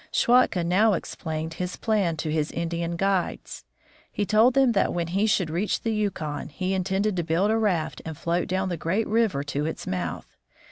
Schwatka now explained his plan to his Indian guides. He told them that when he should reach the Yukon, he intended to build a raft and float down the great river to its mouth.